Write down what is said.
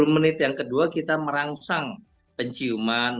sepuluh menit yang kedua kita merangsang penciuman